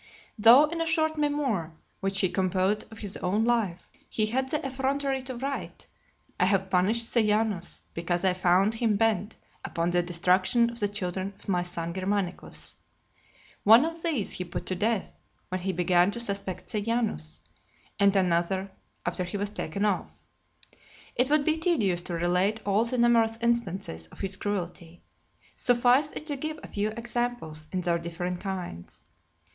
Though in a short memoir which he composed of his own life, he had the effrontery to write, "I have punished Sejanus, because I found him bent upon the destruction of the children of my son Germanicus," one of these he put to death, when he began to suspect Sejanus; and another, after he was taken off. It would be tedious to relate all the numerous instances of his cruelty: suffice it to give a few examples, in their different kinds.